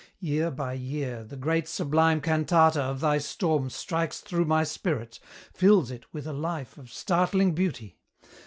Year by year, The great sublime cantata of thy storm Strikes through my spirit fills it with a life Of startling beauty!